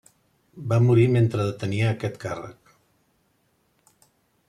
Va morir mentre detenia aquest càrrec.